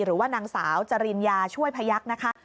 หรือว่านางสาวจริญญาช่วยพยักษ์นะคะ